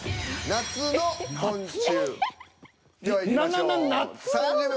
「夏の昆虫」。